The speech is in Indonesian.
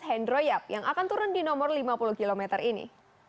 hendro yap yang akan turun di nomor lima puluh km ini